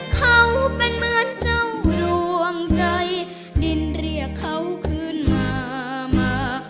เขาเป็นเหมือนเจ้าดวงใจดินเรียกเขาขึ้นมามา